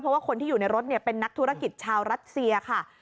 เพราะว่าคนที่อยู่ในรถเป็นนักธุรกิจชาวรัสเซียค่ะ